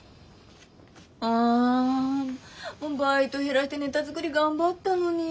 あバイト減らしてネタ作り頑張ったのに。